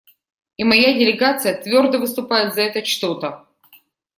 И моя делегация твердо выступает за это что-то.